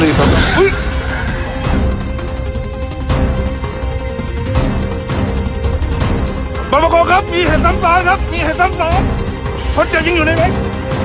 แล้วก็พอเจอสุดท้ายให้รู้สร้างความอร่อยของสิ่งที่จะสร้างได้